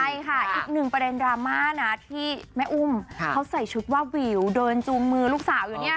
ใช่ค่ะอีกหนึ่งประเด็นดราม่านะที่แม่อุ้มเขาใส่ชุดว่าวิวเดินจูงมือลูกสาวอยู่เนี่ย